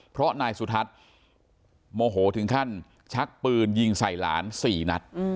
เพราะนายสุทัศน์โมโหถึงขั้นชักปืนยิงใส่หลาน๔นัด